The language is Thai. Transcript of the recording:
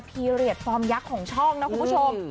พีเรียสฟอร์มยักษ์ของช่องนะคุณผู้ชม